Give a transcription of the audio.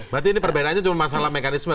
berarti ini perbedaannya cuma masalah mekanisme